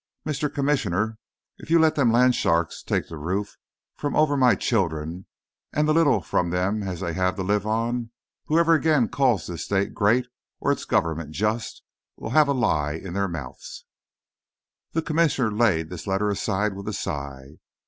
Mr. Commissioner, if you let them land sharks take the roof from over my children and the little from them as they has to live on, whoever again calls this state great or its government just will have a lie in their mouths" The Commissioner laid this letter aside with a sigh.